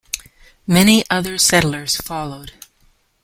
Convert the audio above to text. Many other settlers followed.